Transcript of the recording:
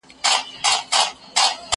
زه مخکي مېوې وچولي وې؟